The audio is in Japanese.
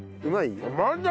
うまいわ。